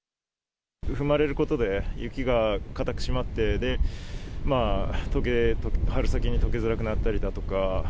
踏まれることで、雪が固く締まって、春先にとけづらくなったりだとか。